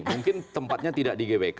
mungkin tempatnya tidak di gbk